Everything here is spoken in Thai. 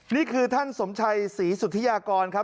นี่คือท่านสมชัยศรีสุธิยากรครับ